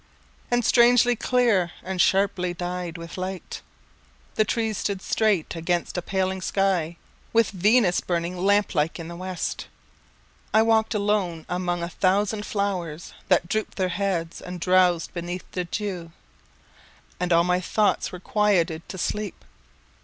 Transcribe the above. And strangely clear, and sharply dyed with light, The trees stood straight against a paling sky, With Venus burning lamp like in the west. I walked alone among a thousand flowers, That drooped their heads and drowsed beneath the dew, And all my thoughts were quieted to sleep.